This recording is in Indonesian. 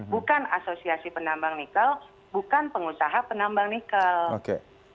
bukan asosiasi penambang nikel bukan pengusaha penambang nikel